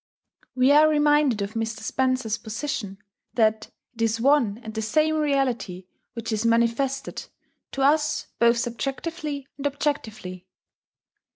We are reminded of Mr. Spencer's position, that "it is one and the same Reality which is manifested to us both subjectively and objectively."